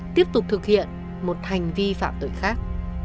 tiếp tục thực hiện một hành vi phạm tội khác